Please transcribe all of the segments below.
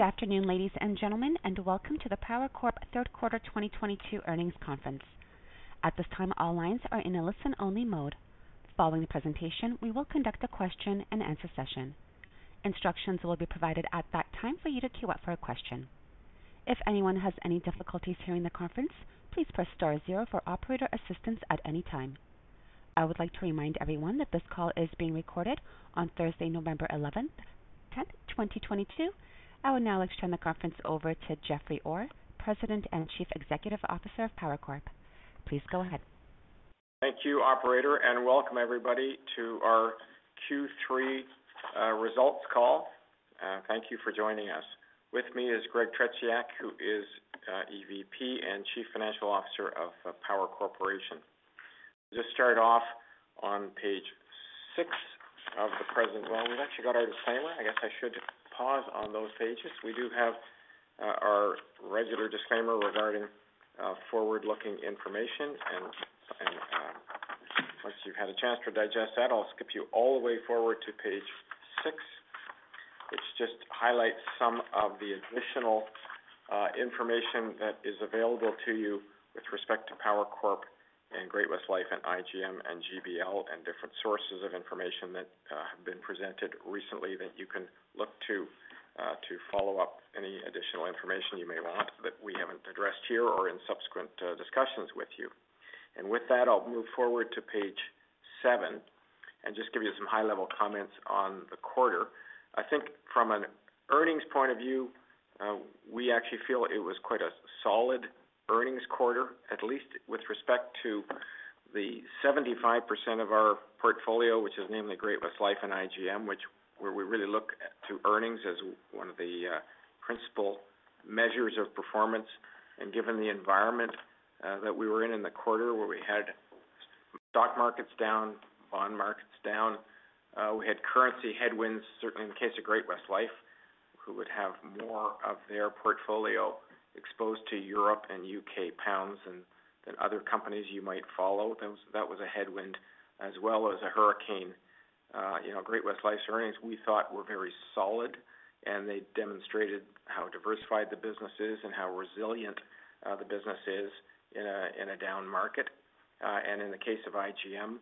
Good afternoon, ladies and gentlemen, and welcome to the Power Corp Third Quarter 2022 Earnings Conference. At this time, all lines are in a listen-only mode. Following the presentation, we will conduct a question-and-answer session. Instructions will be provided at that time for you to queue up for a question. If anyone has any difficulties hearing the conference, please press star zero for operator assistance at any time. I would like to remind everyone that this call is being recorded on Thursday, November 11, 2022. I would now like to turn the conference over to Jeffrey Orr, President and Chief Executive Officer of Power Corp. Please go ahead. Thank you, operator, and welcome everybody to our Q3 results call. Thank you for joining us. With me is Greg Tretiak, who is EVP and Chief Financial Officer of Power Corporation. Just start off on page six of the presentation. Well, we've actually got our disclaimer. I guess I should pause on those pages. We do have our regular disclaimer regarding forward-looking information. Once you've had a chance to digest that, I'll skip you all the way forward to page six, which just highlights some of the additional information that is available to you with respect to Power Corp and Great-West Life and IGM and GBL, and different sources of information that have been presented recently that you can look to to follow up any additional information you may want that we haven't addressed here or in subsequent discussions with you. With that, I'll move forward to page seven and just give you some high-level comments on the quarter. I think from an earnings point of view, we actually feel it was quite a solid earnings quarter, at least with respect to the 75% of our portfolio, which is namely Great-West Lifeco and IGM, where we really look to earnings as one of the principal measures of performance. Given the environment that we were in in the quarter where we had stock markets down, bond markets down, we had currency headwinds, certainly in the case of Great-West Lifeco, who would have more of their portfolio exposed to Europe and UK pounds than other companies you might follow. That was a headwind as well as a hurricane. You know, Great-West Lifeco's earnings, we thought, were very solid, and they demonstrated how diversified the business is and how resilient the business is in a down market. In the case of IGM,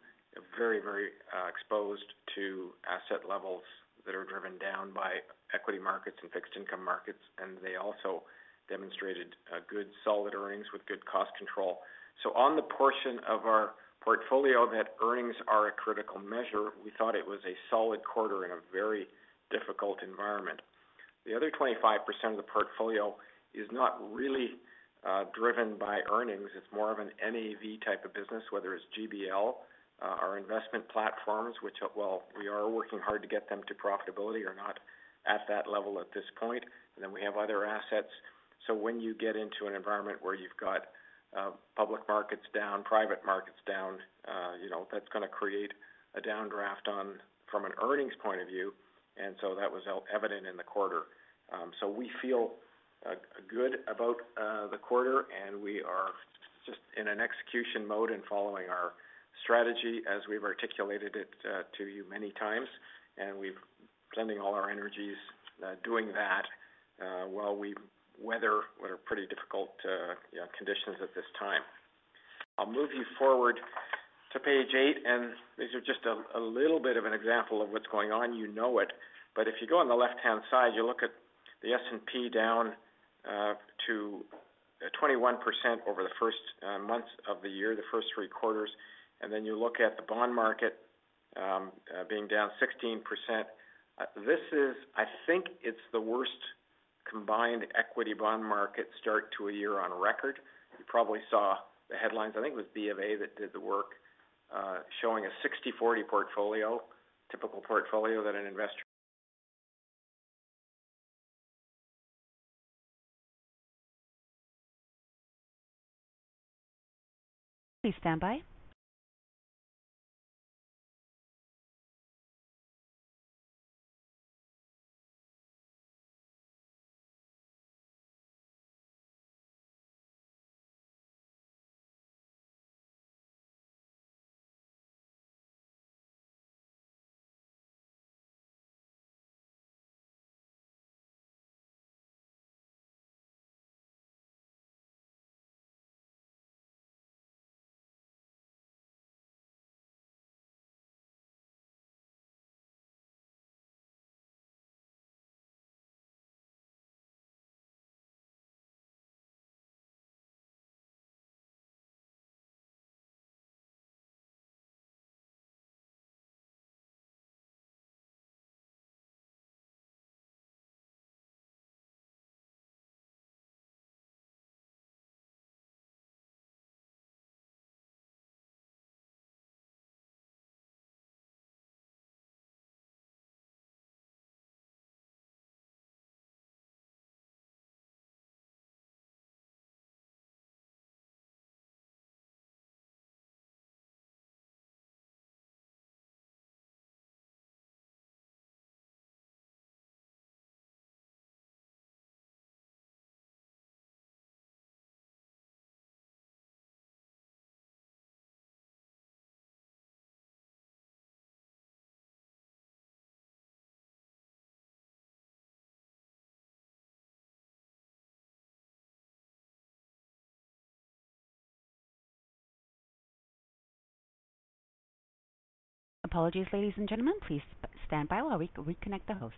very exposed to asset levels that are driven down by equity markets and fixed income markets. They also demonstrated good solid earnings with good cost control. On the portion of our portfolio that earnings are a critical measure, we thought it was a solid quarter in a very difficult environment. The other 25 percent of the portfolio is not really driven by earnings. It's more of an NAV type of business, whether it's GBL, our investment platforms, which while we are working hard to get them to profitability are not at that level at this point. Then we have other assets. When you get into an environment where you've got public markets down, private markets down, that's gonna create a downdraft on from an earnings point of view. That was evident in the quarter. We feel good about the quarter, and we are just in an execution mode and following our strategy as we've articulated it to you many times. We're spending all our energies doing that while we weather what are pretty difficult conditions at this time. I'll move you forward to page eight, and these are just a little bit of an example of what's going on. You know it. If you go on the left-hand side, you look at the S&P down to 21% over the first months of the year, the first three quarters. Then you look at the bond market being down 16%. This is. I think it's the worst combined equity bond market start to a year on record. You probably saw the headlines. I think it was BofA that did the work, showing a 60/40 portfolio, typical portfolio that an investor. Please stand by. Apologies, ladies and gentlemen. Please stand by while we reconnect the host.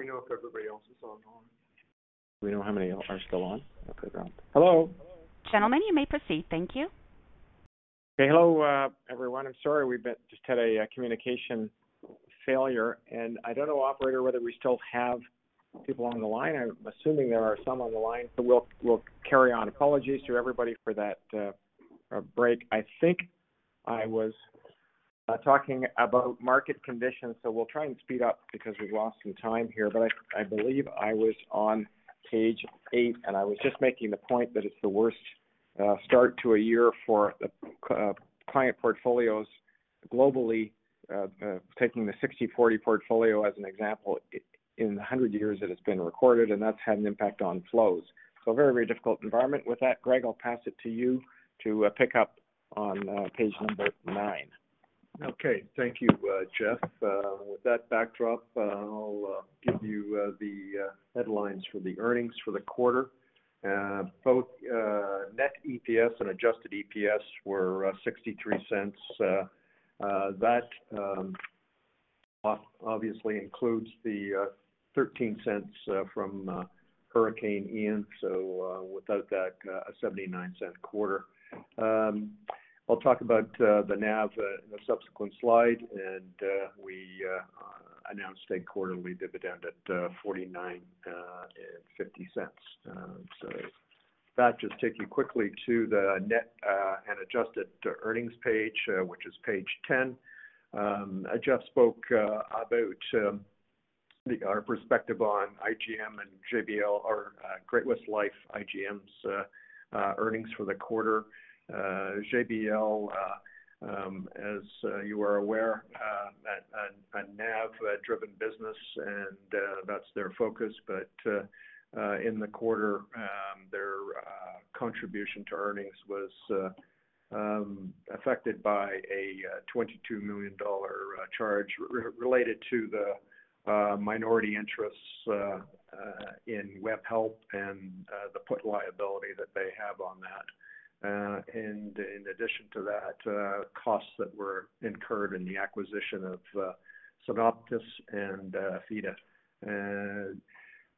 Do we know if everybody else is on the line? We know how many are still on? Okay, great. Hello. Gentlemen, you may proceed. Thank you. Okay. Hello, everyone. I'm sorry. Just had a communication failure. I don't know, operator, whether we still have people on the line. I'm assuming there are some on the line. We'll carry on. Apologies to everybody for that break. I think I was talking about market conditions, so we'll try and speed up because we've lost some time here. I believe I was on page 8, and I was just making the point that it's the worst start to a year for the client portfolios globally. Taking the 60/40 portfolio as an example in the 100 years that it's been recorded, and that's had an impact on flows. A very, very difficult environment. With that, Greg, I'll pass it to you to pick up on page number nine. Okay. Thank you, Jeff. With that backdrop, I'll give you the headlines for the earnings for the quarter. Both net EPS and adjusted EPS were 0.63. That obviously includes the 0.13 from Hurricane Ian. Without that, a 0.79 quarter. I'll talk about the NAV in a subsequent slide. We announced a quarterly dividend at 0.49 and 0.50. If that just take you quickly to the net and adjusted earnings page, which is page 10. Jeff spoke about our perspective on IGM and GBL or Great-West Lifeco, IGM's earnings for the quarter. GBL, as you are aware, a NAV-driven business, and that's their focus. In the quarter, their contribution to earnings was affected by a 22 million dollar charge related to the minority interests in Webhelp and the put liability that they have on that. In addition to that, costs that were incurred in the acquisition of Sanoptis and Affidea.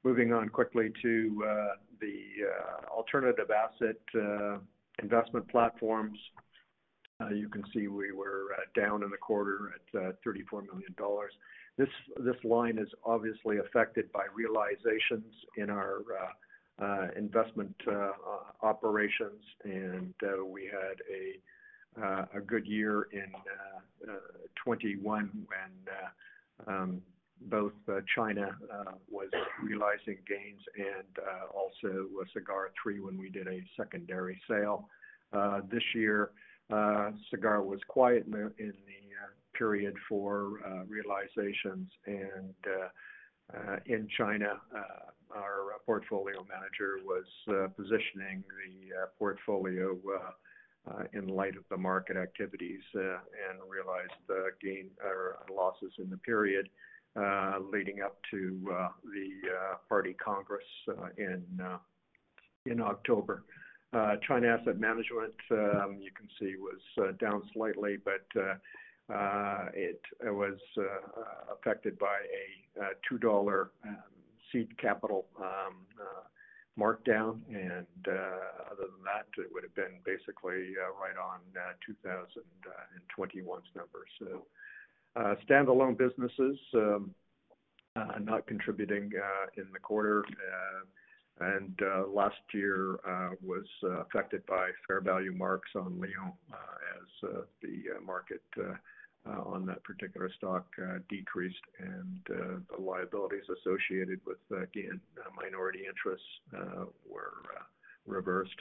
Moving on quickly to the Alternative Asset Investment Platforms. You can see we were down in the quarter at 34 million dollars. This line is obviously affected by realizations in our investment operations. We had a good year in 2021 when both China was realizing gains and also Sagard 3 when we did a secondary sale. This year, Sagard was quiet in the period for realizations. In China, our portfolio manager was positioning our portfolio in light of the market activities and realized gains or losses in the period leading up to the party Congress in October. China Asset Management you can see was down slightly, but it was affected by a $2 seed capital markdown. Other than that, it would have been basically right on 2021's numbers. Standalone businesses not contributing in the quarter. Last year was affected by fair value marks on Lion, as the market on that particular stock decreased, and the liabilities associated with gain minority interests were reversed.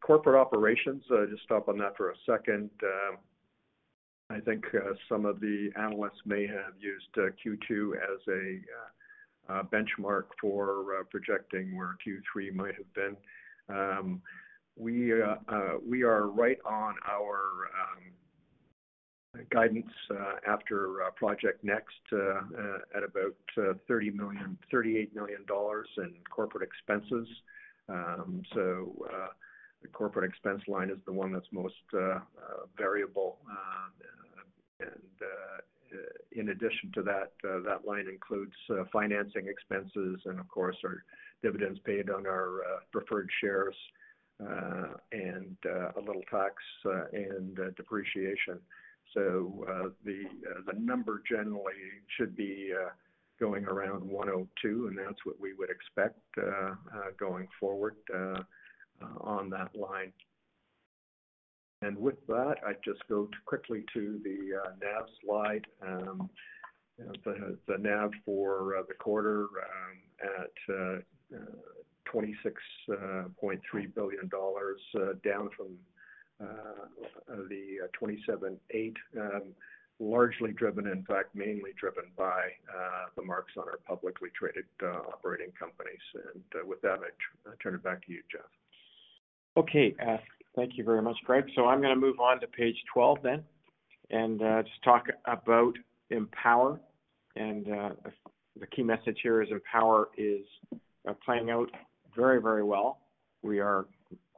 Corporate operations, I'll just stop on that for a second. I think some of the analysts may have used Q2 as a benchmark for projecting where Q3 might have been. We are right on our guidance after Project Next at about 38 million dollars in corporate expenses. The corporate expense line is the one that's most variable. In addition to that line includes financing expenses and of course, our dividends paid on our preferred shares, and a little tax, and depreciation. The number generally should be going around 102, and that's what we would expect going forward on that line. With that, I just go quickly to the NAV slide. The NAV for the quarter at 26.3 billion dollars down from the 27.8, largely driven, in fact, mainly driven by the marks on our publicly traded operating companies. With that, I turn it back to you, Jeff. Thank you very much, Greg. I'm gonna move on to page 12 then, and just talk about Empower. The key message here is Empower is playing out very, very well. We are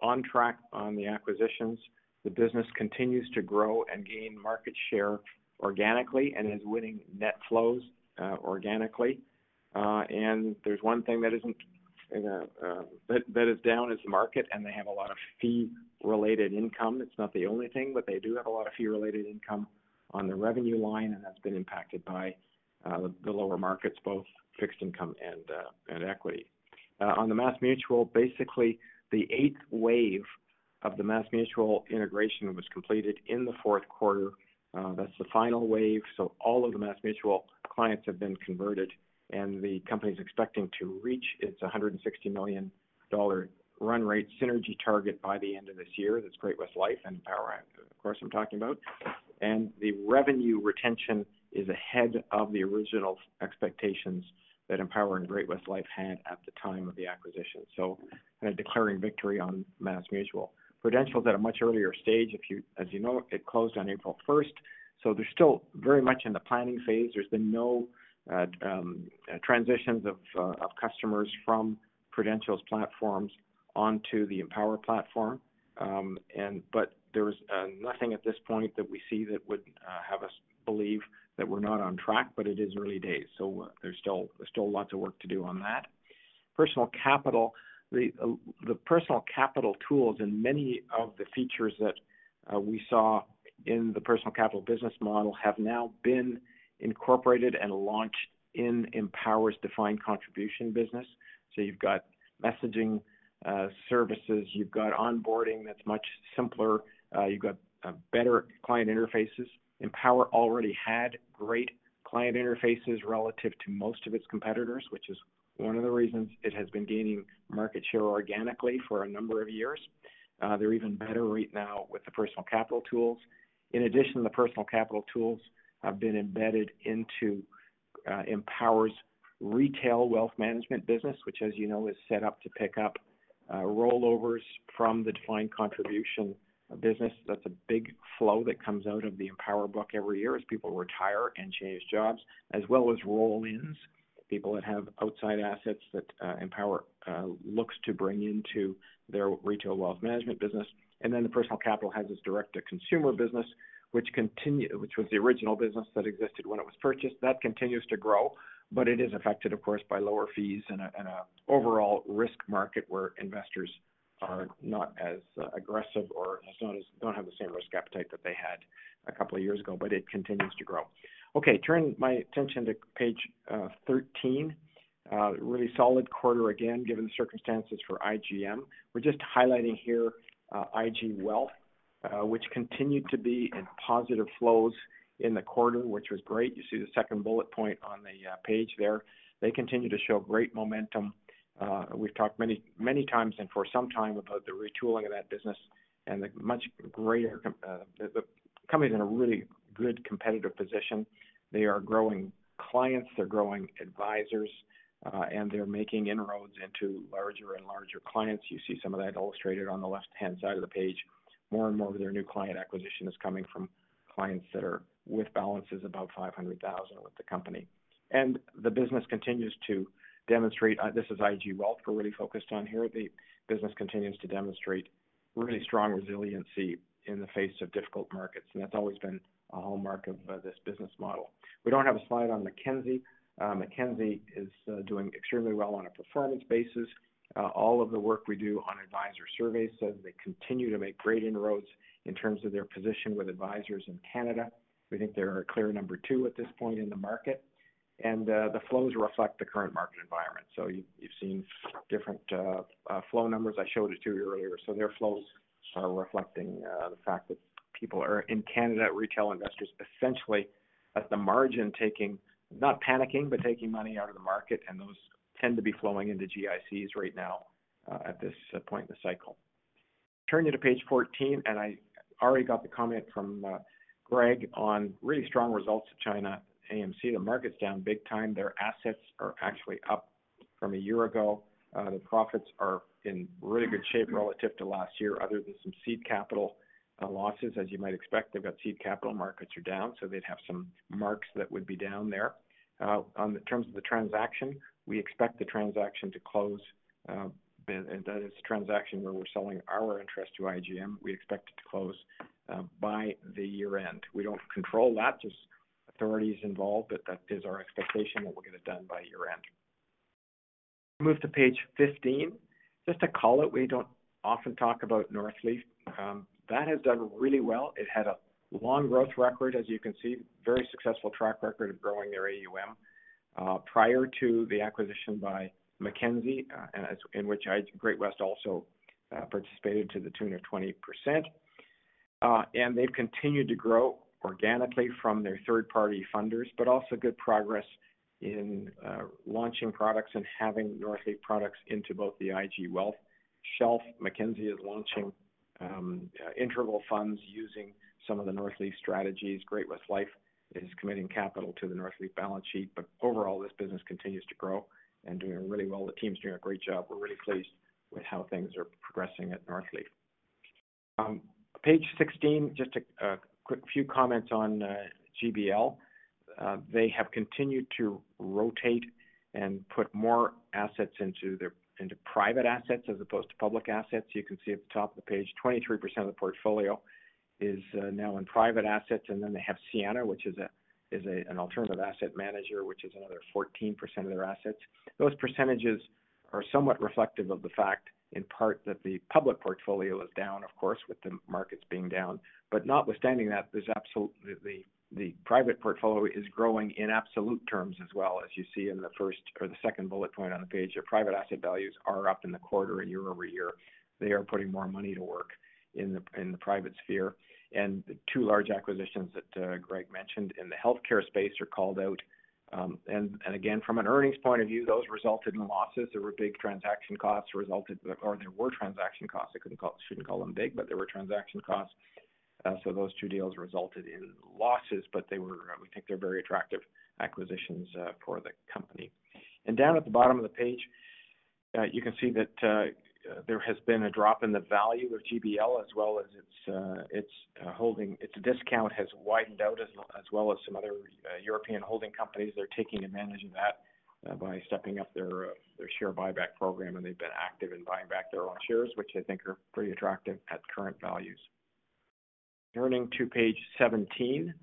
on track on the acquisitions. The business continues to grow and gain market share organically and is winning net flows organically. There's one thing that isn't down is the market, and they have a lot of fee-related income. It's not the only thing, but they do have a lot of fee-related income on the revenue line, and that's been impacted by the lower markets, both fixed income and equity. On the MassMutual, basically, the eighth wave of the MassMutual integration was completed in the fourth quarter. That's the final wave. All of the MassMutual clients have been converted, and the company's expecting to reach its $160 million run rate synergy target by the end of this year. That's Great-West Life and Empower, of course, I'm talking about. The revenue retention is ahead of the original expectations that Empower and Great-West Life had at the time of the acquisition. Kind of declaring victory on MassMutual. Prudential is at a much earlier stage. As you know, it closed on April first, so they're still very much in the planning phase. There's been no transitions of customers from Prudential's platforms onto the Empower platform. There's nothing at this point that we see that would have us believe that we're not on track, but it is early days, so there's still lots of work to do on that. Personal Capital. The Personal Capital tools and many of the features that we saw in the Personal Capital business model have now been incorporated and launched in Empower's defined contribution business. You've got messaging services. You've got onboarding that's much simpler. You've got better client interfaces. Empower already had great client interfaces relative to most of its competitors, which is one of the reasons it has been gaining market share organically for a number of years. They're even better right now with the Personal Capital tools. In addition, the Personal Capital tools have been embedded into Empower's Retail Wealth Management business, which, as you know, is set up to pick up rollovers from the defined contribution business. That's a big flow that comes out of the Empower book every year as people retire and change jobs, as well as roll-ins, people that have outside assets that Empower looks to bring into their Retail Wealth Managementbusiness. The Personal Capital has its direct-to-consumer business, which was the original business that existed when it was purchased. That continues to grow, but it is affected, of course, by lower fees and an overall risk market where investors are not as aggressive, don't have the same risk appetite that they had a couple of years ago, but it continues to grow. Okay, turn my attention to page 13. Really solid quarter, again, given the circumstances for IGM. We're just highlighting here, IG Wealth, which continued to be in positive flows in the quarter, which was great. You see the second bullet point on the page there. They continue to show great momentum. We've talked many, many times and for some time about the retooling of that business and the company's in a really good competitive position. They are growing clients. They're growing advisors, and they're making inroads into larger and larger clients. You see some of that illustrated on the left-hand side of the page. More and more of their new client acquisition is coming from clients that are with balances above 500,000 with the company. The business continues to demonstrate, this is IG Wealth we're really focused on here. The business continues to demonstrate really strong resiliency in the face of difficult markets, and that's always been a hallmark of this business model. We don't have a slide on Mackenzie. Mackenzie is doing extremely well on a performance basis. All of the work we do on advisor surveys says they continue to make great inroads in terms of their position with advisors in Canada. We think they're a clear number two at this point in the market, and the flows reflect the current market environment. You, you've seen different flow numbers. I showed it to you earlier. Their flows are reflecting the fact that people are, in Canada, retail investors, essentially, at the margin taking... not panicking, but taking money out of the market, and those tend to be flowing into GICs right now, at this point in the cycle. Turning to page 14, I already got the comment from Greg on really strong results at China AMC. The market's down big time. Their assets are actually up from a year ago. The profits are in really good shape relative to last year, other than some seed capital losses. As you might expect, they've got seed capital, markets are down, so they'd have some marks that would be down there. On the terms of the transaction, we expect the transaction to close, and that is the transaction where we're selling our interest to IGM. We expect it to close by the year-end. We don't control that. There's authorities involved, but that is our expectation that we'll get it done by year-end. Move to page 15. Just to call it, we don't often talk about Northleaf. That has done really well. It had a long growth record, as you can see, very successful track record of growing their AUM prior to the acquisition by Mackenzie in which Great-West also participated to the tune of 20%. They've continued to grow organically from their third-party funds, but also good progress in launching products and having Northleaf products into both the IG Wealth shelf. Mackenzie is launching interval funds using some of the Northleaf strategies. Great-West Life is committing capital to the Northleaf balance sheet. Overall, this business continues to grow and doing really well. The team's doing a great job. We're really pleased with how things are progressing at Northleaf. Page 16, just a quick few comments on GBL. They have continued to rotate and put more assets into their private assets as opposed to public assets. You can see at the top of the page, 23% of the portfolio is now in private assets, and then they have Sienna, which is an alternative asset manager, which is another 14% of their assets. Those percentages are somewhat reflective of the fact, in part, that the public portfolio is down, of course, with the markets being down. Notwithstanding that, there's absolutely the private portfolio is growing in absolute terms as well. As you see in the first or the second bullet point on the page, their private asset values are up in the quarter and year-over-year. They are putting more money to work in the private sphere. The two large acquisitions that Greg mentioned in the healthcare space are called out. Again, from an earnings point of view, those resulted in losses. There were transaction costs. I shouldn't call them big, but there were transaction costs. Those two deals resulted in losses, but they were, we think they're very attractive acquisitions for the company. Down at the bottom of the page, you can see that there has been a drop in the value of GBL as well as its holding. Its discount has widened out as well as some other European holding companies. They're taking advantage of that by stepping up their share buyback program, and they've been active in buying back their own shares, which I think are pretty attractive at current values. Turning to page 17.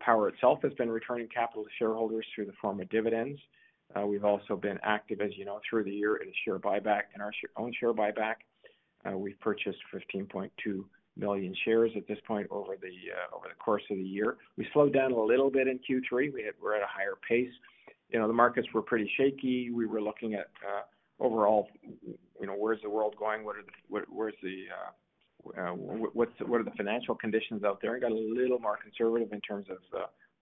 Power itself has been returning capital to shareholders in the form of dividends. We've also been active, as you know, through the year in our own share buyback. We've purchased 15.2 million shares at this point over the course of the year. We slowed down a little bit in Q3. We're at a higher pace. You know, the markets were pretty shaky. We were looking at, overall, you know, where's the world going? What are the financial conditions out there? Got a little more conservative in terms of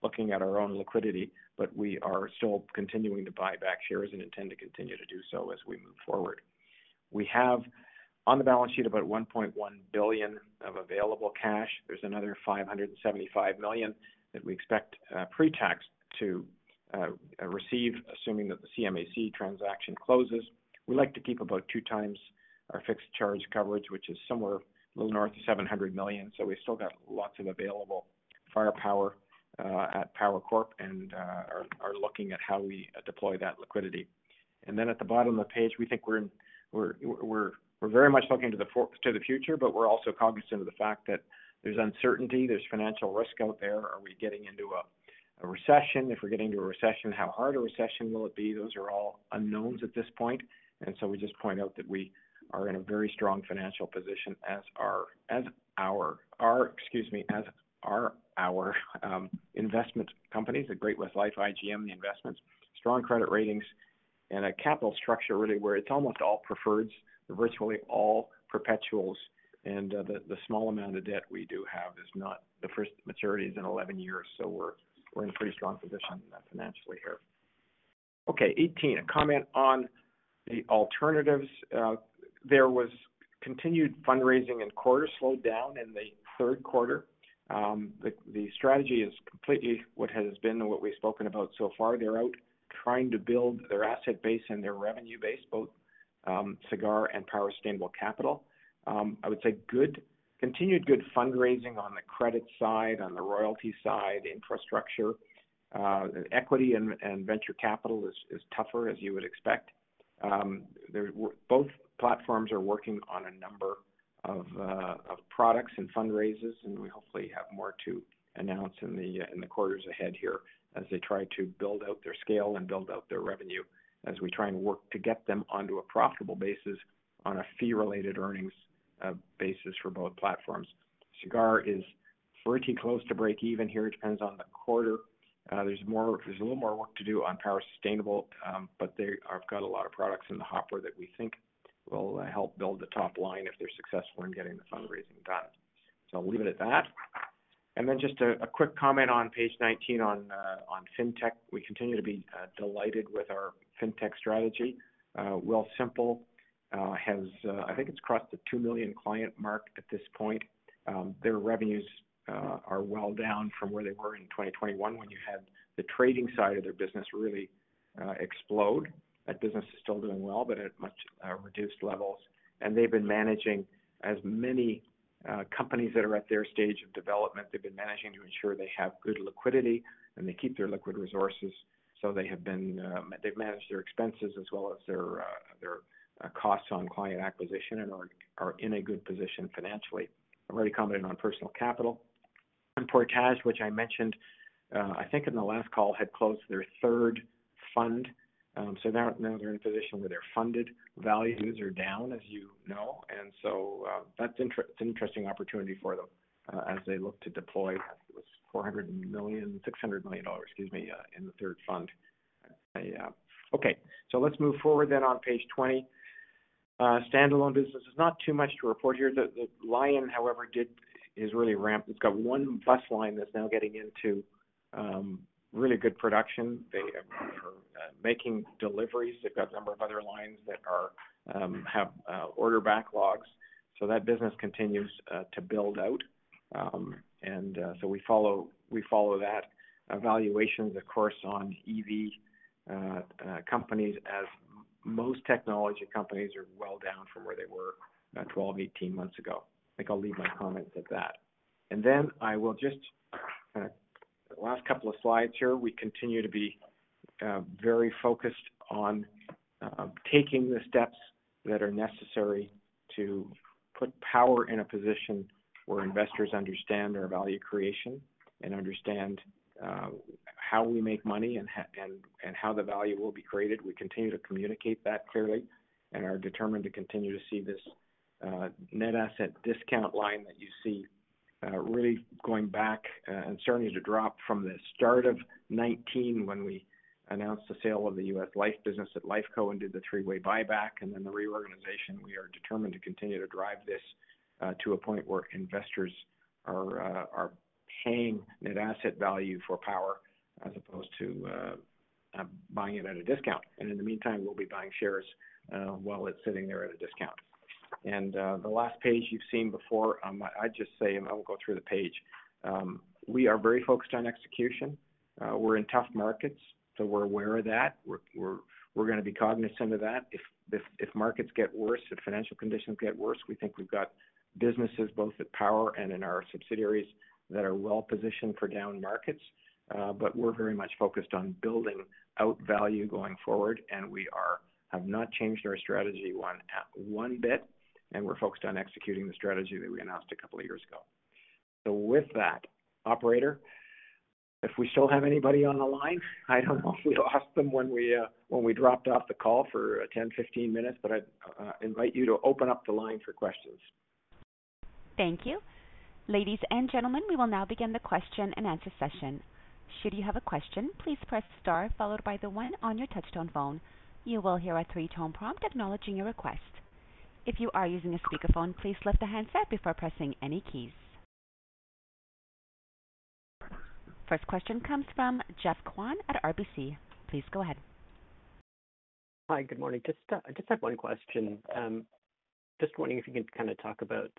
looking at our own liquidity, but we are still continuing to buy back shares and intend to continue to do so as we move forward. We have on the balance sheet about 1.1 billion of available cash. There's another 575 million that we expect, pre-tax to receive, assuming that the ChinaAMC transaction closes. We like to keep about two times our fixed charge coverage, which is somewhere a little north of 700 million. We've still got lots of available firepower at Power Corp and are looking at how we deploy that liquidity. Then at the bottom of the page, we think we're very much looking to the future, but we're also cognizant of the fact that there's uncertainty, financial risk out there. Are we getting into a recession? If we're getting into a recession, how hard a recession will it be? Those are all unknowns at this point. We just point out that we are in a very strong financial position as our investment companies, the Great-West Life, IGM, the investments, strong credit ratings, and a capital structure really where it's almost all preferreds. They're virtually all perpetuals. The small amount of debt we do have is not. The first maturity is in 11 years. We're in a pretty strong position financially here. Okay, 18, a comment on the alternatives. There was continued fundraising in the quarter, slowed down in the third quarter. The strategy is completely what has been and what we've spoken about so far. They're out trying to build their asset base and their revenue base, both Sagard and Power Sustainable Capital. I would say continued good fundraising on the credit side, on the royalty side, infrastructure. The equity and venture capital is tougher, as you would expect. Both platforms are working on a number of products and fundraisers, and we hopefully have more to announce in the quarters ahead here as they try to build out their scale and build out their revenue as we try and work to get them onto a profitable basis on a fee-related earnings basis for both platforms. Sagard is pretty close to break even here. It depends on the quarter. There's a little more work to do on Power Sustainable, but they have got a lot of products in the hopper that we think will help build the top line if they're successful in getting the fundraising done. I'll leave it at that. Just a quick comment on page 19 on Fintech. We continue to be delighted with our Fintech strategy. Wealthsimple has, I think, crossed the 2 million client mark at this point. Their revenues are well down from where they were in 2021 when you had the trading side of their business really explode. That business is still doing well, but at much reduced levels. They've been managing as many companies that are at their stage of development. They've been managing to ensure they have good liquidity, and they keep their liquid resources. They've managed their expenses as well as their costs on client acquisition and are in a good position financially. I've already commented on Personal Capital. Portage, which I mentioned, I think in the last call, had closed their third fund. Now they're in a position where they're funded. Values are down, as you know. That's an interesting opportunity for them as they look to deploy, I think it was four hundred million—CAD 600 million, excuse me, in the third fund. Okay, let's move forward on page 20. Standalone business. There's not too much to report here. The Lion Electric Company, however, is really ramped. It's got one bus line that's now getting into really good production. They are making deliveries. They've got a number of other lines that have order backlogs. That business continues to build out. We follow that. Evaluations, of course, on EV companies as most technology companies are well down from where they were about 12-18 months ago. I think I'll leave my comments at that. Last couple of slides here. We continue to be very focused on taking the steps that are necessary to put Power in a position where investors understand their value creation and understand how we make money and and how the value will be created. We continue to communicate that clearly and are determined to continue to see this net asset discount line that you see really going back and starting to drop from the start of 2019 when we announced the sale of the U.S. life business at Lifeco and did the three-way buyback and then the reorganization. We are determined to continue to drive this to a point where investors are paying net asset value for Power as opposed to buying it at a discount. In the meantime, we'll be buying shares while it's sitting there at a discount. The last page you've seen before, I'd just say, I will go through the page, we are very focused on execution. We're in tough markets, so we're aware of that. We're gonna be cognizant of that. If markets get worse, if financial conditions get worse, we think we've got businesses both at Power and in our subsidiaries that are well positioned for down markets. But we're very much focused on building out value going forward, and we have not changed our strategy one bit, and we're focused on executing the strategy that we announced a couple of years ago. With that, operator, if we still have anybody on the line, I don't know. We lost them when we dropped off the call for 10, 15 minutes, but I invite you to open up the line for questions. Thank you. Ladies and gentlemen, we will now begin the question-and-answer session. Should you have a question, please press star followed by the one on your touchtone phone. You will hear a three-tone prompt acknowledging your request. If you are using a speakerphone, please lift the handset before pressing any keys. First question comes from Geoff Kwan at RBC at RBC. Please go ahead. Hi. Good morning. Just had one question. Just wondering if you could kinda talk about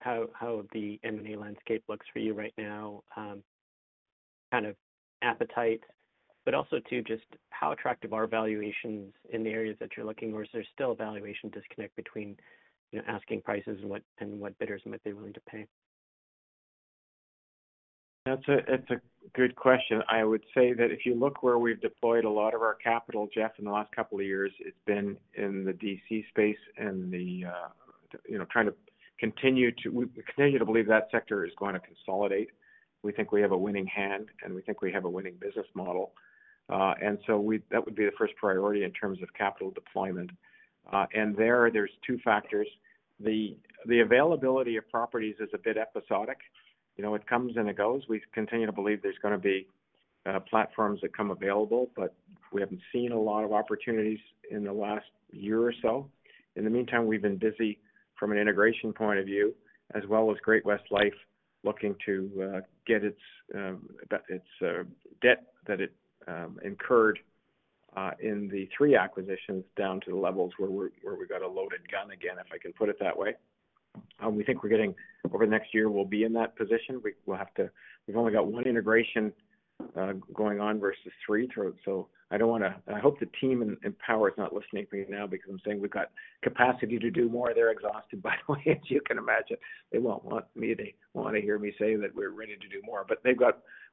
how the M&A landscape looks for you right now, kind of appetite, but also too, just how attractive are valuations in the areas that you're looking or is there still a valuation disconnect between, you know, asking prices and what bidders might be willing to pay? That's a good question. I would say that if you look where we've deployed a lot of our capital, Jeff, in the last couple of years, it's been in the DC space and we continue to believe that sector is going to consolidate. We think we have a winning hand, and we think we have a winning business model. That would be the first priority in terms of capital deployment. There, there's two factors. The availability of properties is a bit episodic. You know, it comes and it goes. We continue to believe there's gonna be platforms that become available, but we haven't seen a lot of opportunities in the last year or so. In the meantime, we've been busy from an integration point of view, as well as Great-West Life looking to get its debt that it incurred in the three acquisitions down to the levels where we've got a loaded gun again, if I can put it that way. We think we're getting over the next year. We'll be in that position. We've only got one integration going on versus three. I hope the team in Power is not listening to me now because I'm saying we've got capacity to do more. They're exhausted, by the way, as you can imagine. They won't want to hear me say that we're ready to do more.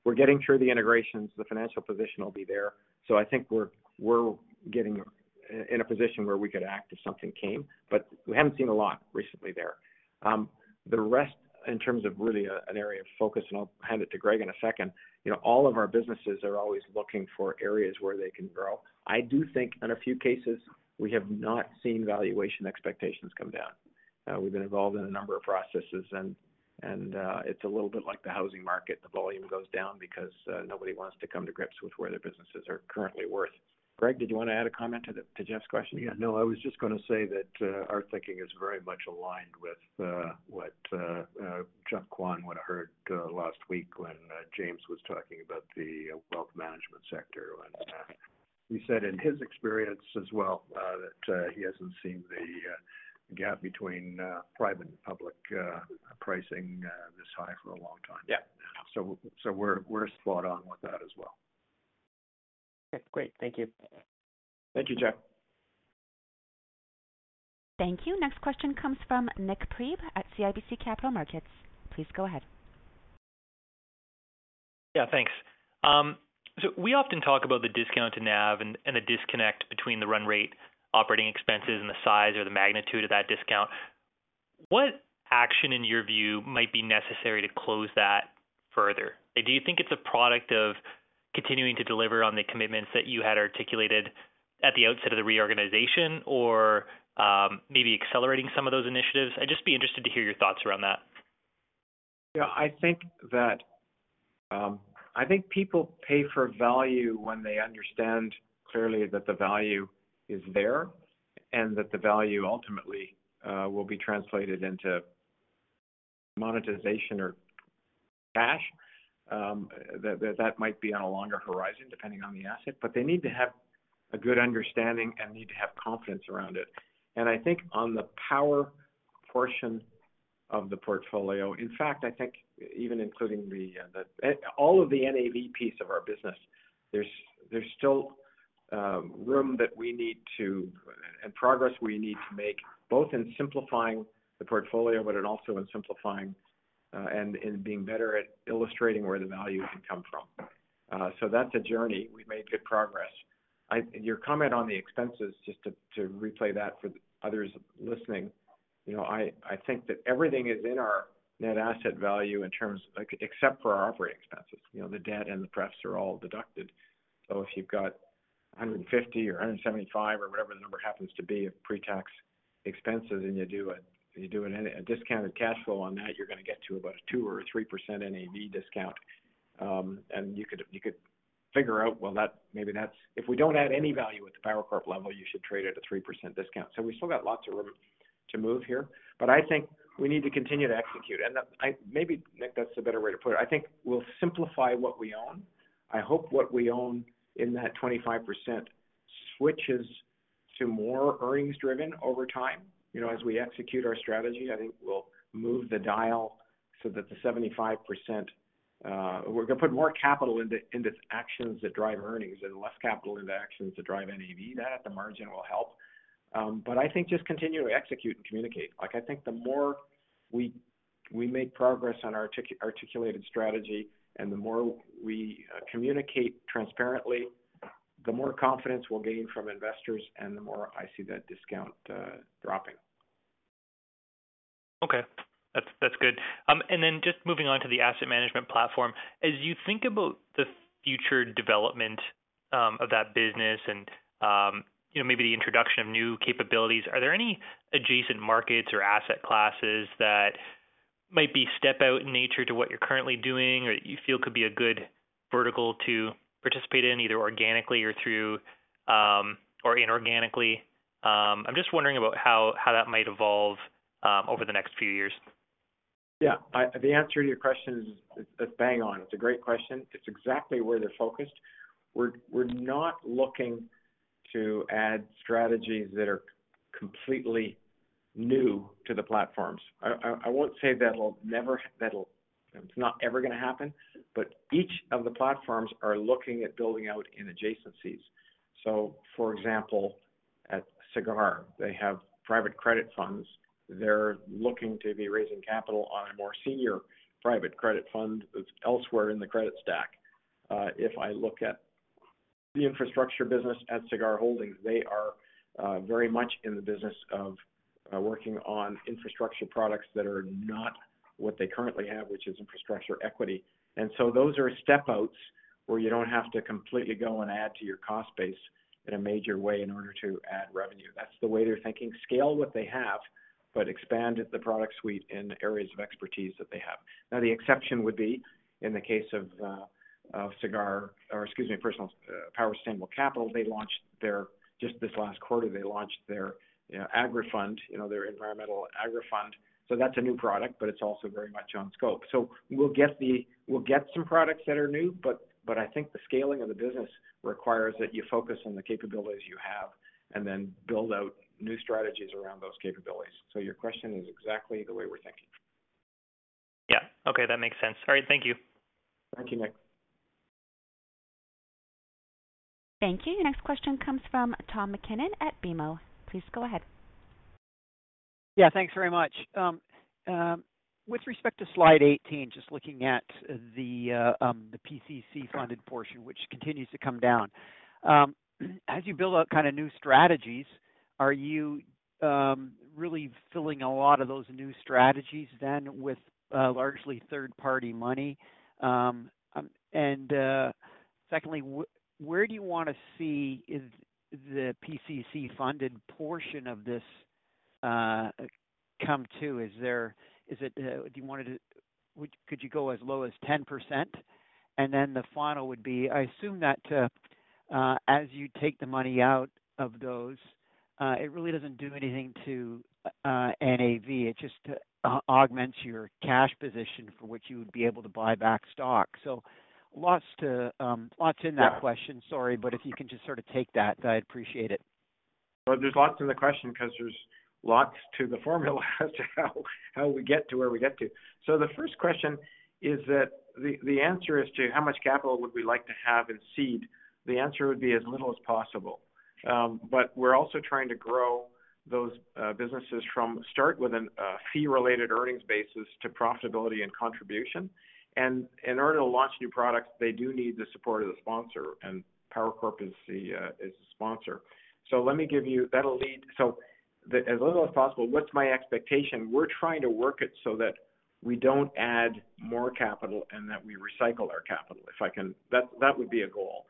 We're getting through the integrations, the financial position will be there. I think we're getting in a position where we could act if something came, but we haven't seen a lot recently there. The rest in terms of really an area of focus, and I'll hand it to Greg in a second. You know, all of our businesses are always looking for areas where they can grow. I do think in a few cases, we have not seen valuation expectations come down. We've been involved in a number of processes and it's a little bit like the housing market. The volume goes down because nobody wants to come to grips with where their businesses are currently worth. Greg, did you want to add a comment to Jeff's question? No, I was just gonna say that our thinking is very much aligned with what Geoff Kwan would've heard last week when James was talking about the Wealth Management sector. He said in his experience as well that he hasn't seen the gap between private and public pricing this high for a long time. Yeah. We're spot on with that as well. Okay, great. Thank you. Thank you, Jeff. Thank you. Next question comes from Nik Priebe at CIBC Capital Markets. Please go ahead. Yeah, thanks. So we often talk about the discount to NAV and the disconnect between the run rate operating expenses and the size or the magnitude of that discount. What action, in your view, might be necessary to close that further? Do you think it's a product of continuing to deliver on the commitments that you had articulated at the outset of the reorganization or maybe accelerating some of those initiatives? I'd just be interested to hear your thoughts around that? Yeah. I think people pay for value when they understand clearly that the value is there and that the value ultimately will be translated into monetization or cash. That might be on a longer horizon, depending on the asset, but they need to have a good understanding and need to have confidence around it. I think on the Power portion of the portfolio, in fact, I think even including all of the NAV piece of our business, there's still room and progress we need to make, both in simplifying the portfolio, but it also in simplifying and in being better at illustrating where the value can come from. That's a journey. We've made good progress. Your comment on the expenses, just to replay that for others listening. You know, I think that everything is in our net asset value in terms except for our operating expenses. You know, the debt and the prefs are all deducted. If you've got 150 or 175 or whatever the number happens to be of pre-tax expenses and you do a discounted cash flow on that, you're gonna get to about a 2%-3% NAV discount. You could figure out, well, that maybe that's if we don't add any value at the Power Corp level, you should trade at a 3% discount. We still got lots of room to move here, but I think we need to continue to execute. Maybe, Nick, that's a better way to put it. I think we'll simplify what we own. I hope what we own in that 25% switches to more earnings driven over time. You know, as we execute our strategy, I think we'll move the dial so that the 75%, we're gonna put more capital into actions that drive earnings and less capital into actions that drive NAV. That at the margin will help. I think just continue to execute and communicate. Like, I think the more we make progress on our articulated strategy and the more we communicate transparently, the more confidence we'll gain from investors and the more I see that discount dropping. Okay. That's good. Just moving on to the asset management platform. As you think about the future development of that business and you know, maybe the introduction of new capabilities, are there any adjacent markets or asset classes that might be step out in nature to what you're currently doing or you feel could be a good vertical to participate in, either organically or through or inorganically? I'm just wondering about how that might evolve over the next few years. Yeah. The answer to your question is bang on. It's a great question. It's exactly where they're focused. We're not looking to add strategies that are completely new to the platforms. I won't say it's not ever gonna happen, but each of the platforms are looking at building out in adjacencies. For example, at Sagard, they have private credit funds. They're looking to be raising capital on a more senior private credit fund that's elsewhere in the credit stack. If I look at the infrastructure business at Sagard Holdings, they are very much in the business of working on infrastructure products that are not what they currently have, which is infrastructure equity. Those are step outs. Where you don't have to completely go and add to your cost base in a major way in order to add revenue. That's the way they're thinking. Scale what they have, but expand the product suite in the areas of expertise that they have. Now, the exception would be in the case of Sagard or excuse me, Power Sustainable Capital. Just this last quarter, they launched their agri fund, you know, their environmental agri fund. That's a new product, but it's also very much on scope. We'll get some products that are new, but I think the scaling of the business requires that you focus on the capabilities you have and then build out new strategies around those capabilities. Your question is exactly the way we're thinking. Yeah. Okay, that makes sense. All right, thank you. Thank you, Nick. Thank you. Next question comes from Tom MacKinnon at BMO. Please go ahead. Yeah, thanks very much. With respect to slide 18, just looking at the PCC funded portion, which continues to come down. As you build out kind of new strategies, are you really filling a lot of those new strategies then with largely third-party money? And secondly, where do you wanna see the PCC funded portion of this come to? Could you go as low as 10%? And then the final would be, I assume that as you take the money out of those, it really doesn't do anything to NAV. It just augments your cash position for which you would be able to buy back stock. Lots in that question. Sorry, but if you can just sort of take that, I'd appreciate it. Well, there's lots in the question 'cause there's lots to the formula as to how we get to where we get to. The first question is that the answer as to how much capital would we like to have in seed, the answer would be as little as possible. But we're also trying to grow those businesses from start with an fee-related earnings basis to profitability and contribution. And in order to launch new products, they do need the support of the sponsor, and Power Corp is the sponsor. The as little as possible, what's my expectation? We're trying to work it so that we don't add more capital and that we recycle our capital, if I can. That would be a goal.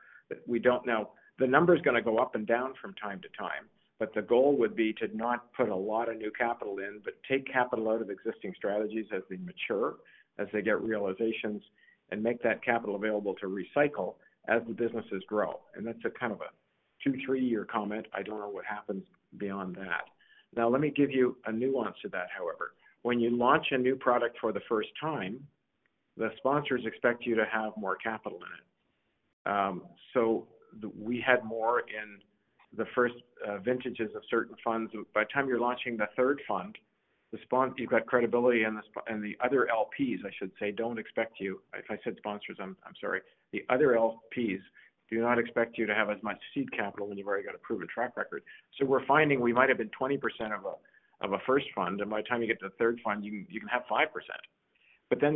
We don't know. The number's gonna go up and down from time to time, but the goal would be to not put a lot of new capital in, but take capital out of existing strategies as they mature, as they get realizations, and make that capital available to recycle as the businesses grow. That's a kind of a two, three-year comment. I don't know what happens beyond that. Now let me give you a nuance to that, however. When you launch a new product for the first time, the sponsors expect you to have more capital in it. So we had more in the first vintages of certain funds. By the time you're launching the third fund, you've got credibility, and the other LPs, I should say, don't expect you. If I said sponsors, I'm sorry. The other LPs do not expect you to have as much seed capital when you've already got a proven track record. We're finding we might have been 20% of a first fund, and by the time you get to the third fund, you can have 5%.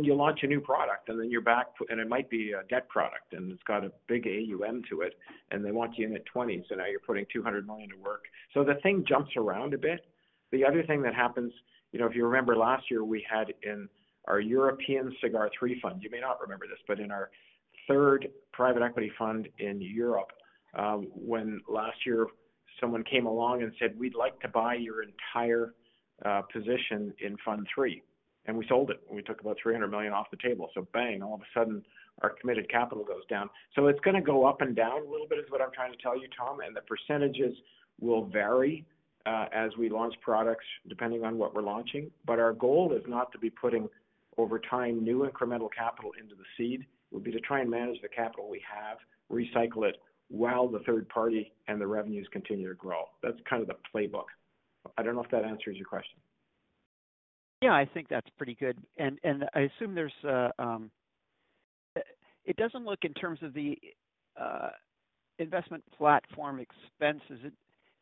You launch a new product, and then you're back, and it might be a debt product, and it's got a big AUM to it, and they want you in at 20%. Now you're putting 200 million to work. The thing jumps around a bit. The other thing that happens, you know, if you remember last year, we had in our European Sagard 3 fund, you may not remember this. In our third private equity fund in Europe, when last year someone came along and said, "We'd like to buy your entire position in fund three." We sold it, and we took about 300 million off the table. Bang, all of a sudden, our committed capital goes down. It's gonna go up and down a little bit, is what I'm trying to tell you, Tom. The percentages will vary as we launch products, depending on what we're launching. Our goal is not to be putting over time new incremental capital into the seed. It would be to try and manage the capital we have, recycle it while the third party and the revenues continue to grow. That's kind of the playbook. I don't know if that answers your question. Yeah, I think that's pretty good. I assume there's. It doesn't look in terms of the investment platform expenses.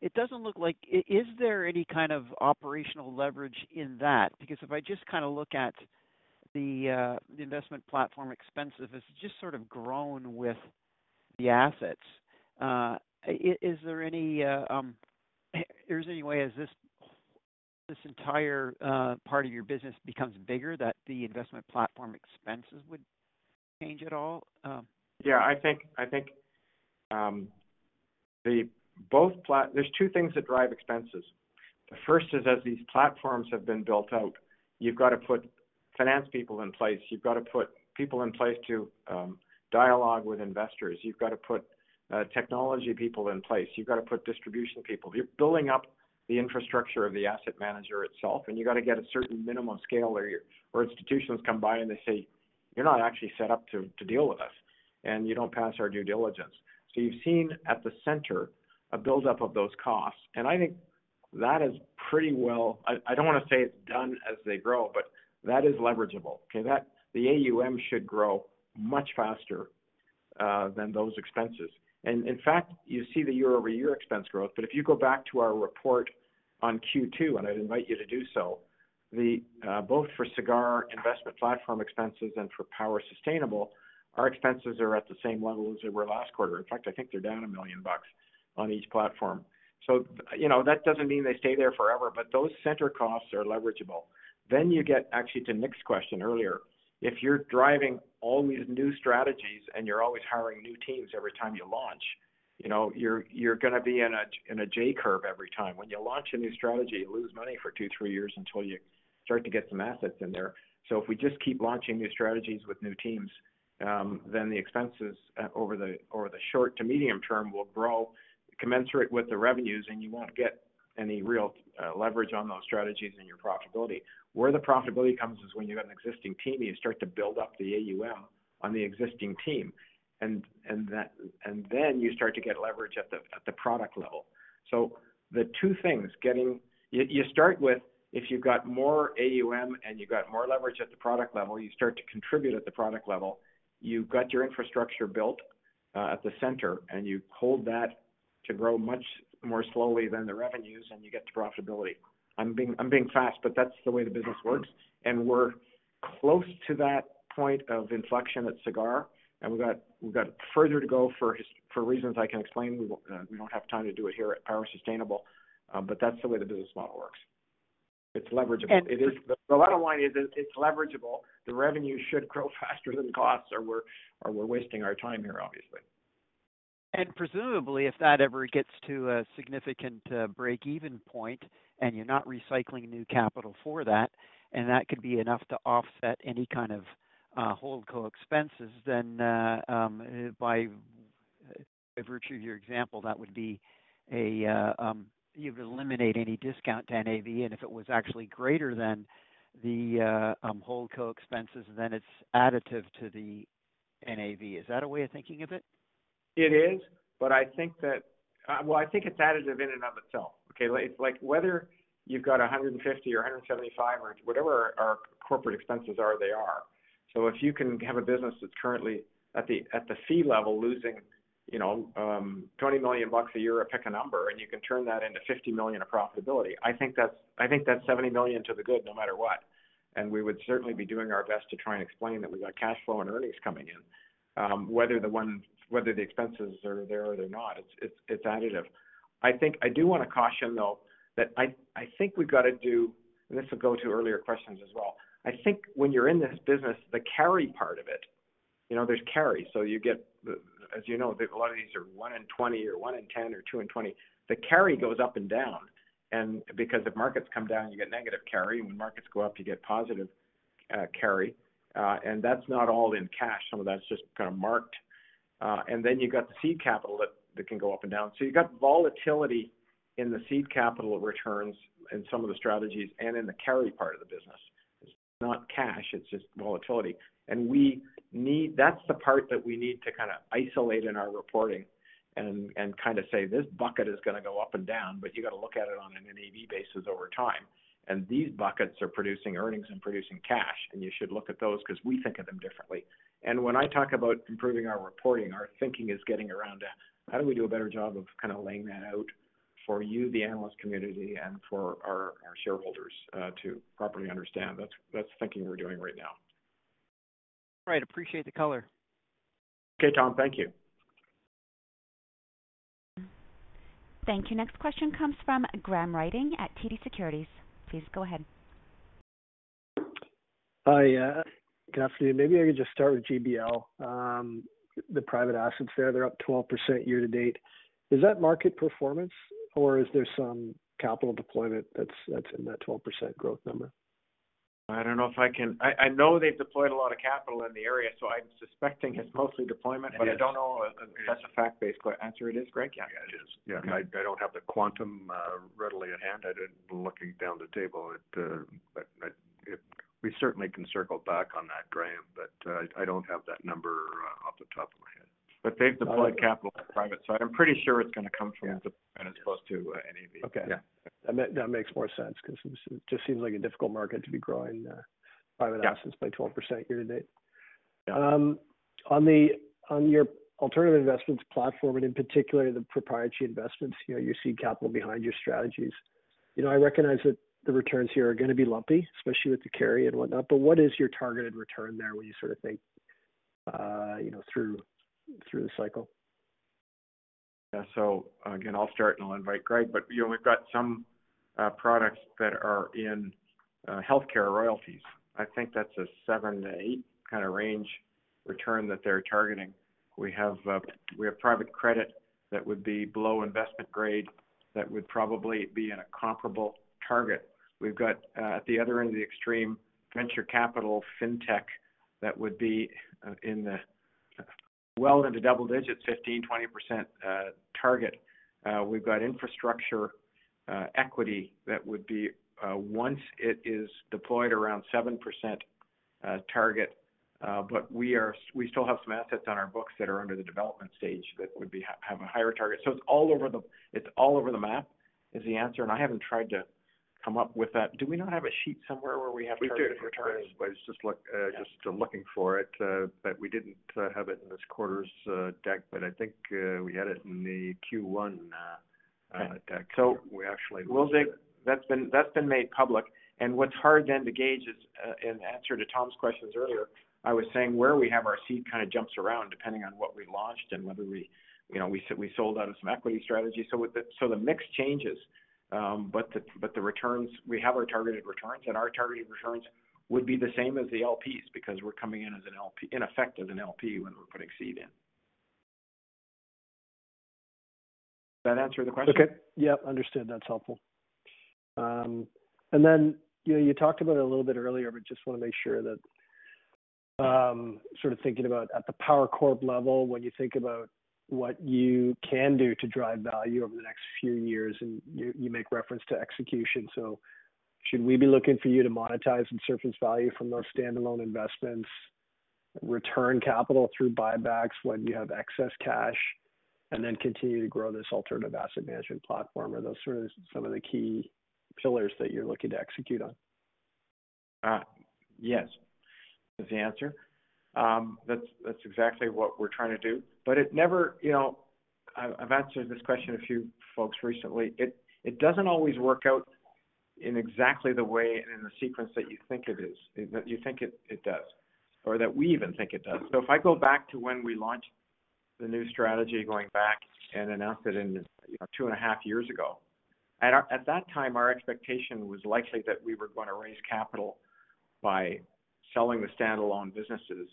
It doesn't look like. Is there any kind of operational leverage in that? Because if I just kinda look at the investment platform expenses, it's just sort of grown with the assets. Is there any way as this entire part of your business becomes bigger, that the investment platform expenses would change at all? Yeah, I think there's two things that drive expenses. The first is, as these platforms have been built out, you've got to put finance people in place. You've got to put people in place to dialogue with investors. You've got to put technology people in place. You've got to put distribution people. You're building up the infrastructure of the asset manager itself, and you got to get a certain minimum scale where institutions come by and they say, "You're not actually set up to deal with us, and you don't pass our due diligence." So you've seen at the center a buildup of those costs, and I think that is pretty well, I don't wanna say it's done as they grow, but that is leverageable. Okay? That the AUM should grow much faster than those expenses. In fact, you see the year-over-year expense growth. If you go back to our report on Q2, and I'd invite you to do so, the both for Sagard investment platform expenses and for Power Sustainable, our expenses are at the same level as they were last quarter. In fact, I think they're down 1 million bucks on each platform. You know, that doesn't mean they stay there forever, but those center costs are leverageable. You get actually to Nick's question earlier. If you're driving all these new strategies and you're always hiring new teams every time you launch. You know, you're gonna be in a J curve every time. When you launch a new strategy, you lose money for two, three years until you start to get some assets in there. If we just keep launching new strategies with new teams, then the expenses over the short to medium term will grow commensurate with the revenues, and you won't get any real leverage on those strategies and your profitability. Where the profitability comes is when you got an existing team, and you start to build up the AUM on the existing team. Then you start to get leverage at the product level. If you've got more AUM and you've got more leverage at the product level, you start to contribute at the product level. You've got your infrastructure built at the center, and you hold that to grow much more slowly than the revenues, and you get to profitability. I'm being fast, but that's the way the business works. We're close to that point of inflection at Sagard, and we've got further to go for reasons I can explain. We don't have time to do it here at Power Sustainable, but that's the way the business model works. It's leverageable. It is. The bottom line is it's leverageable. The revenue should grow faster than costs or we're wasting our time here, obviously. Presumably, if that ever gets to a significant break-even point, and you're not recycling new capital for that, and that could be enough to offset any kind of Holdco Expenses, then by virtue of your example, you would eliminate any discount to NAV. If it was actually greater than the Holdco Expenses, then it's additive to the NAV. Is that a way of thinking of it? It is. I think that well, I think it's additive in and of itself. Okay. Like, it's like whether you've got 150 or 175 or whatever our corporate expenses are, they are. So if you can have a business that's currently at the fee level losing, you know, 20 million bucks a year, I pick a number, and you can turn that into 50 million of profitability. I think that's 70 million to the good no matter what. We would certainly be doing our best to try and explain that we got cash flow and earnings coming in. Whether the expenses are there or they're not, it's additive. I think I do want to caution, though, that I think we've got to do. This will go to earlier questions as well. I think when you're in this business, the carry part of it, you know, there's carry. So you get the, as you know, a lot of these are 1 in 20 or 1 in 10 or 2 in 20. The carry goes up and down. Because if markets come down, you get negative carry. When markets go up, you get positive carry. And that's not all in cash. Some of that's just kinda marked. And then you've got the seed capital that can go up and down. So you've got volatility in the seed capital returns in some of the strategies and in the carry part of the business. It's not cash, it's just volatility. That's the part that we need to kinda isolate in our reporting and kinda say, "This bucket is gonna go up and down, but you got to look at it on an NAV basis over time. These buckets are producing earnings and producing cash, and you should look at those 'cause we think of them differently." When I talk about improving our reporting, our thinking is getting around to how do we do a better job of kinda laying that out for you, the analyst community, and for our shareholders to properly understand. That's the thinking we're doing right now. Right. Appreciate the color. Okay, Tom. Thank you. Thank you. Next question comes from Graham Ryding at TD Securities. Please go ahead. Hi. Good afternoon. Maybe I could just start with GBL. The private assets there, they're up 12% year to date. Is that market performance or is there some capital deployment that's in that 12% growth number? I know they've deployed a lot of capital in the area, so I'm suspecting it's mostly deployment. I don't know if that's a fact-based answer. It is, Greg? Yeah, it is. Yeah. I don't have the quantum readily at hand. We certainly can circle back on that, Graham, but I don't have that number off the top of my head. They've deployed capital in private. I'm pretty sure it's gonna come from and it's close to NAV. Okay. Yeah. That makes more sense 'cause it just seems like a difficult market to be growing private assets by 12% year-to-date. Yeah. On your alternative investments platform, and in particular the proprietary investments, you know, you see capital behind your strategies. You know, I recognize that the returns here are gonna be lumpy, especially with the carry and whatnot, but what is your targeted return there when you sort of think, you know, through the cycle? Yeah. Again, I'll start and I'll invite Greg. But, you know, we've got some products that are in healthcare royalties. I think that's a seven, eight kinda range return that they're targeting. We have private credit that would be below investment grade that would probably be in a comparable target. We've got at the other end of the extreme venture capital Fintech that would be in the well into double digits, 15, 20% target. We've got infrastructure equity that would be once it is deployed around 7% target. But we still have some assets on our books that are under the development stage that would have a higher target. It's all over the map, is the answer. I haven't tried to come up with that. Do we not have a sheet somewhere where we have targeted returns? We do. It's just looking for it, but we didn't have it in this quarter's deck, but I think we had it in the Q1 deck. So- We actually. That's been made public. What's hard then to gauge is, in answer to Tom's questions earlier, I was saying where we have our seed kinda jumps around depending on what we launched and whether we, you know, we sold out of some equity strategy. The mix changes. But the returns, we have our targeted returns, and our targeted returns would be the same as the LPs because we're coming in as an LP, in effect as an LP when we're putting seed in. Does that answer the question? Okay. Yep, understood. That's helpful. You know, you talked about it a little bit earlier, but just want to make sure that, sort of thinking about at the Power Corp level, when you think about what you can do to drive value over the next few years, and you make reference to execution. Should we be looking for you to monetize some surplus value from those standalone investments, return capital through buybacks when you have excess cash, and then continue to grow this alternative asset management platform? Are those sort of some of the key pillars that you're looking to execute on? Yes, is the answer. That's exactly what we're trying to do. It never you know, I've answered this question to a few folks recently. It doesn't always work out in exactly the way and in the sequence that you think it is, that you think it does, or that we even think it does. If I go back to when we launched the new strategy going back and announced it in, you know, two and a half years ago. At that time, our expectation was likely that we were gonna raise capital by selling the standalone businesses,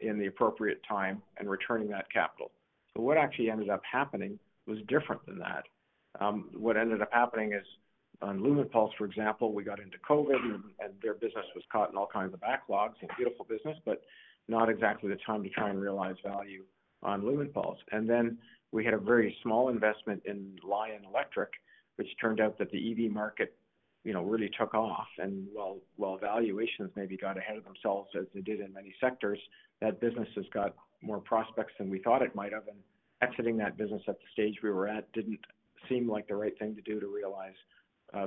in the appropriate time and returning that capital. What actually ended up happening was different than that. What ended up happening is on Lumenpulse, for example, we got into COVID and their business was caught in all kinds of backlogs. A beautiful business, but not exactly the time to try and realize value on Lumenpulse. Then we had a very small investment in Lion Electric, which turned out that the EV market, you know, really took off. While valuations maybe got ahead of themselves as they did in many sectors, that business has got more prospects than we thought it might have. Exiting that business at the stage we were at didn't seem like the right thing to do to realize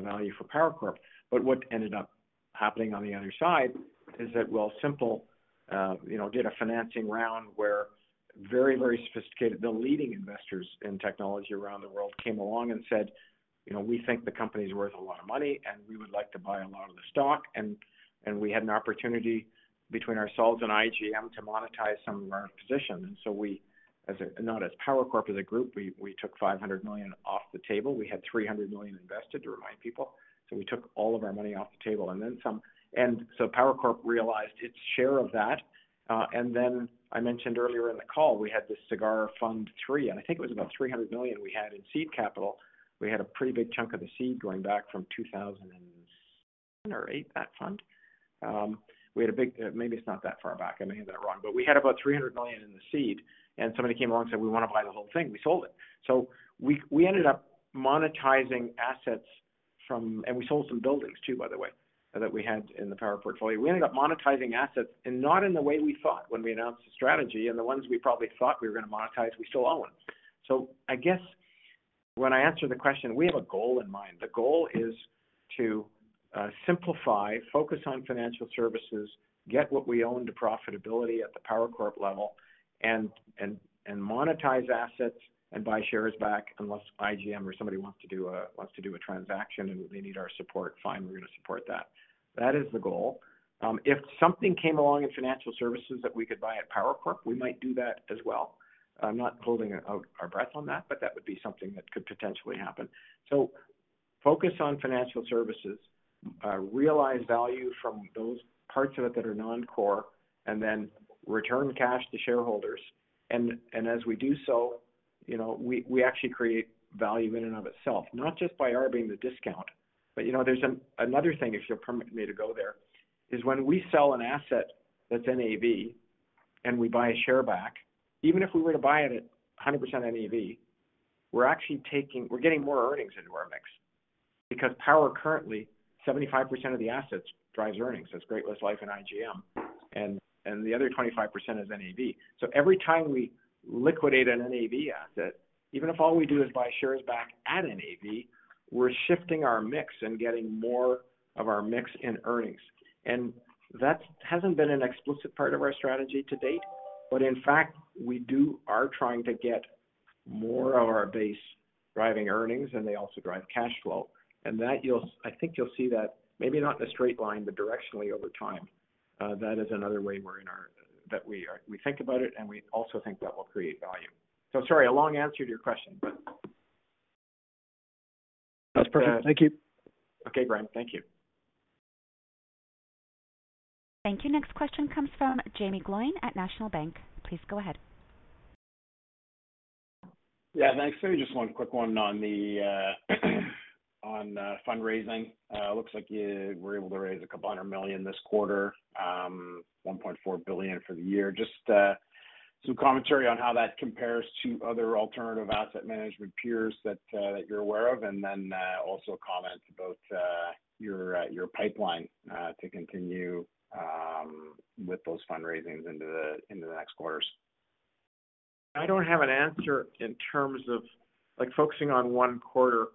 value for Power Corp. What ended up happening on the other side is that while Wealthsimple, you know, did a financing round where very, very sophisticated, the leading investors in technology around the world came along and said, "You know, we think the company is worth a lot of money, and we would like to buy a lot of the stock." We had an opportunity between ourselves and IGM to monetize some of our positions. We, not as Power Corp, as a group, took 500 million off the table. We had 300 million invested to remind people. We took all of our money off the table and then some. Power Corp realized its share of that. I mentioned earlier in the call, we had this Sagard Fund III, and I think it was about 300 million we had in seed capital. We had a pretty big chunk of the seed going back from 2007 or 2008, that fund. Maybe it's not that far back. I may have got it wrong, but we had about 300 million in the seed, and somebody came along and said, "We want to buy the whole thing." We sold it. We ended up monetizing assets from. We sold some buildings too, by the way, that we had in the Power portfolio. We ended up monetizing assets and not in the way we thought when we announced the strategy and the ones we probably thought we were going to monetize, we still own them. I guess when I answer the question, we have a goal in mind. The goal is to simplify, focus on financial services, get what we own to profitability at the Power Corp level and monetize assets and buy shares back. Unless IGM or somebody wants to do a transaction and they need our support, fine, we're going to support that. That is the goal. If something came along in financial services that we could buy at Power Corp, we might do that as well. I'm not holding our breath on that, but that would be something that could potentially happen. Focus on financial services, realize value from those parts of it that are non-core, and then return cash to shareholders. As we do so, you know, we actually create value in and of itself, not just by our being the discount. You know, there's another thing, if you'll permit me to go there, is when we sell an asset that's NAV and we buy a share back, even if we were to buy it at 100% NAV, we're actually getting more earnings into our mix because Power currently, 75% of the assets drives earnings. That's Great-West Life and IGM. The other 25% is NAV. Every time we liquidate an NAV asset, even if all we do is buy shares back at NAV, we're shifting our mix and getting more of our mix in earnings. That hasn't been an explicit part of our strategy to date. In fact, we are trying to get more of our base driving earnings, and they also drive cash flow. I think you'll see that maybe not in a straight line, but directionally over time. That is another way we think about it, and we also think that will create value. Sorry, a long answer to your question, but. That's perfect. Thank you. Okay, Brian. Thank you. Thank you. Next question comes from Jaeme Gloyn at National Bank Financial. Please go ahead. Yeah, thanks. Maybe just one quick one on the fundraising. It looks like you were able to raise 200 million this quarter, 1.4 billion for the year. Just some commentary on how that compares to other alternative asset management peers that you're aware of. Also comment about your pipeline to continue with those fundraisings into the next quarters. I don't have an answer in terms of like focusing on one quarter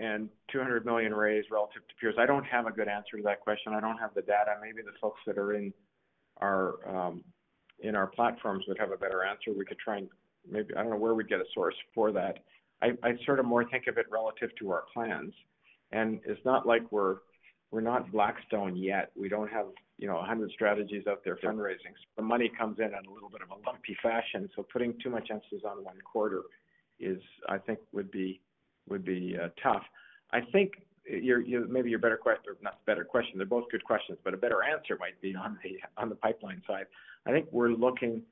and 200 million raised relative to peers. I don't have a good answer to that question. I don't have the data. Maybe the folks that are in our platforms would have a better answer. We could try and maybe I don't know where we'd get a source for that. I sort of more think of it relative to our plans. It's not like we're not Blackstone yet. We don't have, you know, 100 strategies out there fundraising. The money comes in on a little bit of a lumpy fashion. Putting too much emphasis on one quarter is, I think, would be tough. I think you're maybe your better question or not better question, they're both good questions, but a better answer might be on the pipeline side. I think we're looking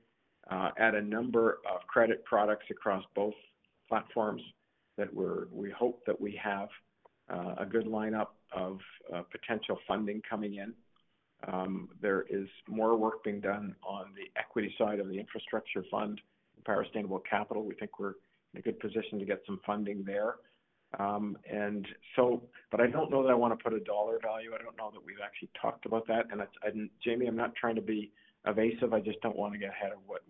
at a number of credit products across both platforms that we hope that we have a good lineup of potential funding coming in. There is more work being done on the equity side of the infrastructure fund, Power Sustainable Capital. We think we're in a good position to get some funding there. I don't know that I wanna put a dollar value. I don't know that we've actually talked about that. It's Jamie, I'm not trying to be evasive, I just don't wanna get ahead of what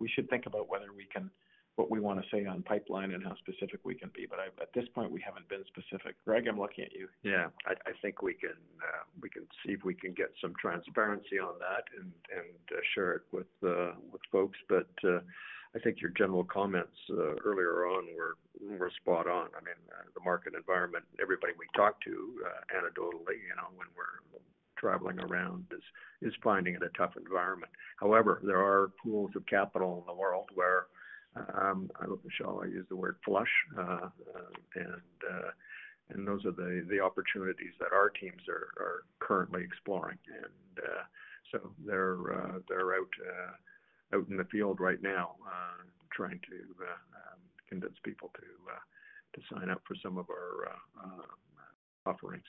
we should think about whether we can what we wanna say on pipeline and how specific we can be. At this point, we haven't been specific. Greg, I'm looking at you. Yeah. I think we can see if we can get some transparency on that and share it with folks. I think your general comments earlier on were spot on. I mean, the market environment, everybody we talk to, anecdotally, you know, when we're traveling around is finding it a tough environment. However, there are pools of capital in the world where I don't know, shall I use the word flush? And those are the opportunities that our teams are currently exploring. They're out in the field right now trying to convince people to sign up for some of our offerings.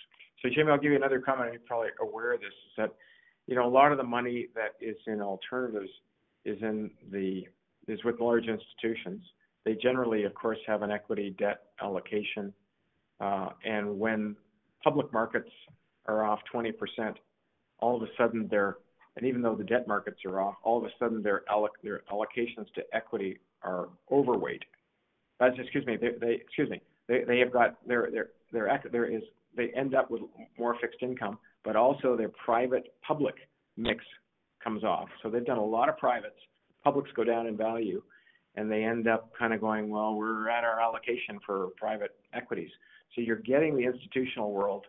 Jaeme, I'll give you another comment. You're probably aware of this, you know, a lot of the money that is in alternatives is with large institutions. They generally, of course, have an equity-debt allocation. When public markets are off 20%, all of a sudden their allocations to equity are overweight even though the debt markets are off. They end up with more fixed income, but also their private-public mix comes off. They've done a lot of privates, publics go down in value, and they end up kinda going, "Well, we're at our allocation for private equities." You're getting the institutional world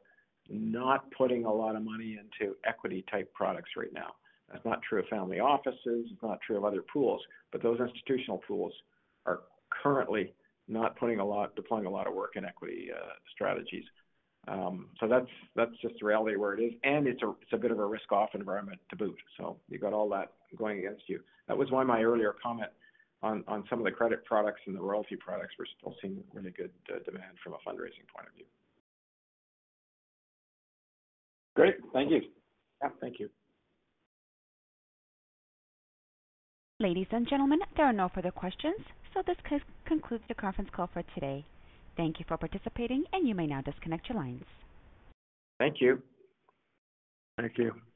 not putting a lot of money into equity-type products right now. That's not true of family offices, it's not true of other pools. Those institutional pools are currently not deploying a lot of work in equity strategies. That's just the reality of where it is. It's a bit of a risk-off environment to boot. You've got all that going against you. That was why my earlier comment on some of the credit products and the royalty products. We're still seeing really good demand from a fundraising point of view. Great. Thank you. Yeah. Thank you. Ladies and gentlemen, there are no further questions, so this concludes the conference call for today. Thank you for participating, and you may now disconnect your lines. Thank you. Thank you.